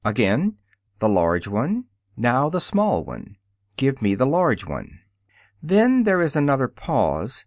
Again, "The large one." "Now the small one." "Give me the large one." Then there is another pause.